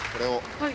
はい。